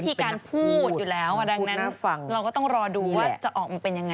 มีการพูดอยู่แล้วดังนั้นเราก็ต้องรอดูว่าจะออกมาเป็นยังไง